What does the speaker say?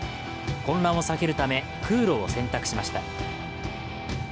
混乱を避けるため空路を選択しました。